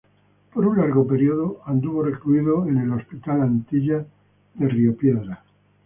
Por un largo período estuvo recluida en el Hospital Antillas de Río Piedras.